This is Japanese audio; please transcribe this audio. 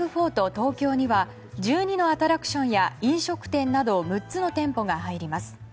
東京には１２のアトラクションや飲食店など６つの店舗が入ります。